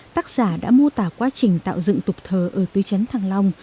tác giả đã mô tả quá trình tạo dựng tục thờ ở tư chấn thăng long